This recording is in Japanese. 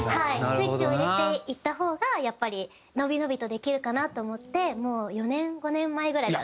スイッチを入れて行った方がやっぱり伸び伸びとできるかなと思ってもう４年５年前ぐらいから。